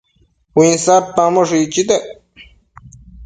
uinsadpamboshë icchitec